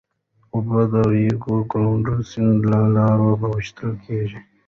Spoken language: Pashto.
اوبه د ریو ګرانډې سیند له لارې وېشل کېږي.